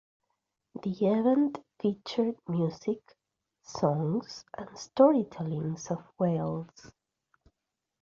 The event featured music, songs and storytelling of Wales.